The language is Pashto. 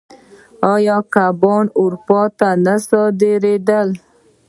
آیا کبان اروپا ته نه صادرېدل؟